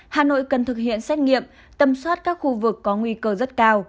hà nội cần thực hiện xét nghiệm tâm soát các khu vực có nguy cơ rất cao